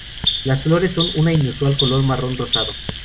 Las flores son una inusual color marrón rosado.